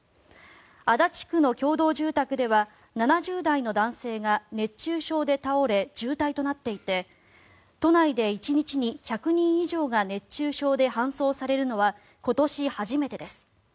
足立区の共同住宅では７０代の男性が熱中症で倒れ、重体となっていて都内で１日に１００人以上が熱中症で搬送されるのは今年初めてです。